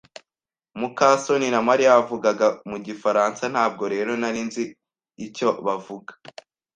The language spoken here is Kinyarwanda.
muka soni na Mariya bavugaga mu gifaransa, ntabwo rero nari nzi icyo bavuga.